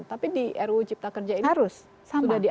tapi di ru cipta kerja ini sudah diatur seperti itu